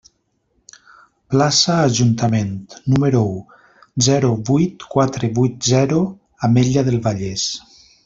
Plaça Ajuntament, número u, zero vuit quatre vuit zero, Ametlla del Vallès.